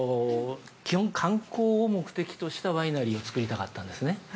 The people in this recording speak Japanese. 基本、観光を目的としたワイナリーをつくりたかったんですね。